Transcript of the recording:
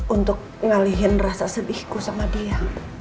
untuk ngalihin rasa sedihku sama dia